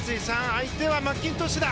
相手はマッキントッシュだ。